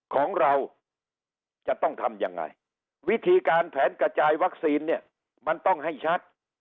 ของเราจะต้องทำยังไงวิธีการแผนกระจายวัคซีนเนี่ยมันต้องให้ชัด